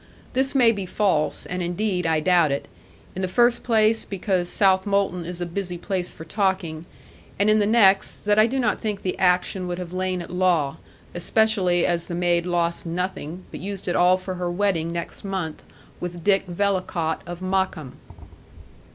This may be false, and indeed I doubt it; in the first place, because Southmolton is a busy place for talking; and in the next, that I do not think the action would have lain at law, especially as the maid lost nothing, but used it all for her wedding next month with Dick Vellacott, of Mockham.